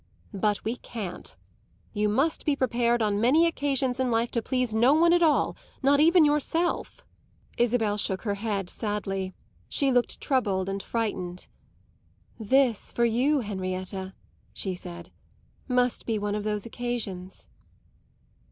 But we can't. You must be prepared on many occasions in life to please no one at all not even yourself." Isabel shook her head sadly; she looked troubled and frightened. "This, for you, Henrietta," she said, "must be one of those occasions!"